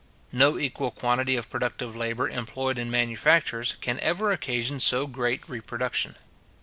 No equal quantity of productive labour employed in manufactures, can ever occasion so great reproduction.